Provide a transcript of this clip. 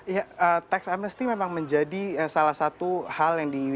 ya tax amnesty memang menjadi salah satu hal yang di